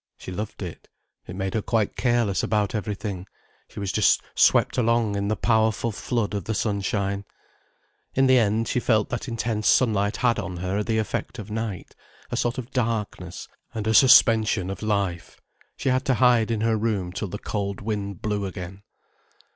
She loved it: it made her quite careless about everything, she was just swept along in the powerful flood of the sunshine. In the end, she felt that intense sunlight had on her the effect of night: a sort of darkness, and a suspension of life. She had to hide in her room till the cold wind blew again.